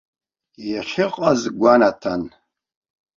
Иахьыҟаз гәанаҭан.